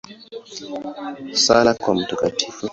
Sala kwa Mt.